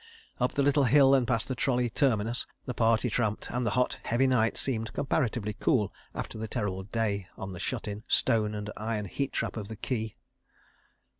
Up the little hill and past the trolley "terminus" the party tramped, and the hot, heavy night seemed comparatively cool after the terrible day on the shut in, stone and iron heat trap of the quay.